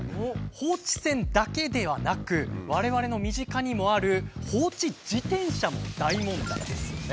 放置船だけではなく我々の身近にもある放置自転車も大問題ですよね。